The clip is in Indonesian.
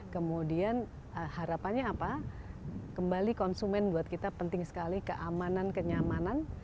kemudian harapannya apa kembali konsumen buat kita penting sekali keamanan kenyamanan